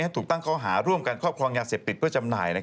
ถูกตั้งข้อหาร่วมกันครอบครองยาเสพติดเพื่อจำหน่าย